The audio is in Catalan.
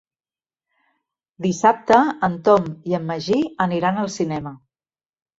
Dissabte en Tom i en Magí aniran al cinema.